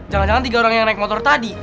jangan jangan tiga orang yang naik motor tadi